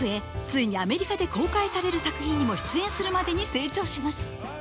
ついにアメリカで公開される作品にも出演するまでに成長します。